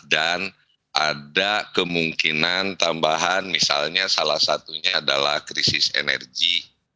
dan ada kemungkinan tambahan misalnya salah satunya adalah krisis energi